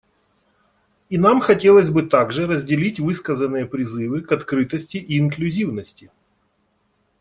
И нам хотелось бы также разделить высказанные призывы к открытости и инклюзивности.